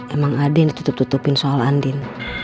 emang ada yang ditutup tutupin soalan din